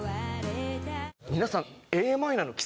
皆さん。